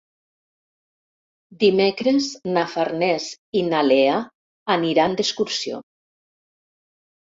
Dimecres na Farners i na Lea aniran d'excursió.